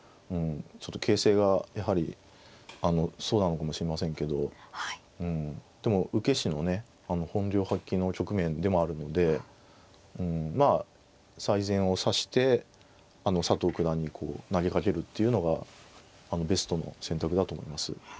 ちょっと形勢がやはりそうなのかもしれませんけどでも受け師のね本領発揮の局面でもあるのでまあ最善を指して佐藤九段に投げかけるっていうのがベストの選択だと思います。